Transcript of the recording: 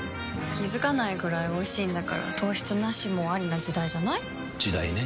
気付かないくらいおいしいんだから糖質ナシもアリな時代じゃない？時代ね。